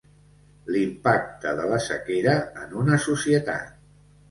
L'impacte de la sequera en una societat.